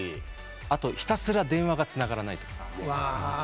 あとひたすら電話がつながらないとか。